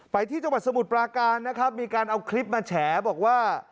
ไปที่จังหวัดสมุทรปราการนะครับมีการเอาคลิปมาแฉบอกว่า